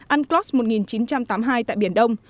unclos một nghìn chín trăm tám mươi hai tại biển đông